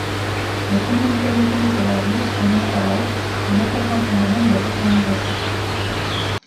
Les communes périphériques de la ville connaissent alors un important phénomène de rurbanisation.